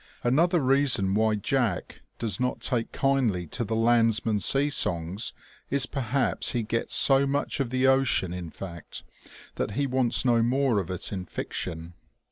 Another reason why Jack does not take kindly to the landsman's sea songs is perhaps he gets so much of the ocean in fact, that he wants no more of it in fiction.